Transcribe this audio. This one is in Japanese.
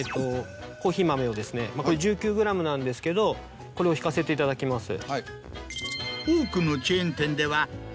コーヒー豆をですねこれ１９ｇなんですけどこれを挽かせていただきます。